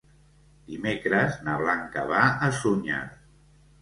Dimecres na Blanca va a Sunyer.